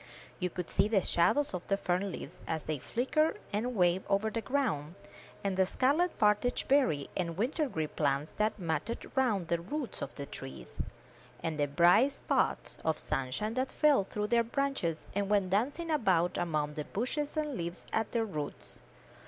You could see the shadows of the fern leaves, as they flickered and waved over the ground, and the scarlet partridge berry and wintergreen plums that matted round the roots of the trees, and the bright spots of sunshine that fell through their branches and went dancing about among the bushes and leaves at their roots.